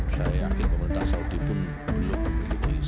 saya akhir pemerintah saudi pun belum dipastikan